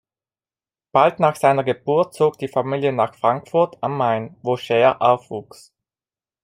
Bald nach seiner Geburt zog die Familie nach Frankfurt am Main, wo Scheer aufwuchs.